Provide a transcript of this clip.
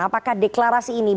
apakah deklarasi ini berhasil